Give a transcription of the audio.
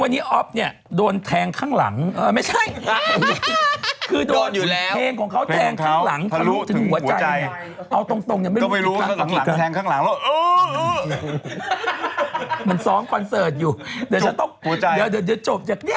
เดี๋ยวจะต้องไปดูนี้